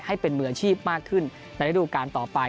ให้เป็นมืออาชีพมากขึ้นในระดูการต่อไป